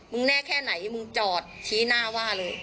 แน่แค่ไหนมึงจอดชี้หน้าว่าเลย